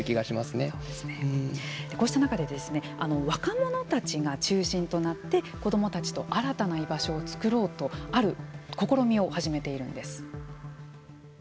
こうした中で若者たちが中心となって子どもたちと新たな居場所を作ろうとある試みを始めているんです。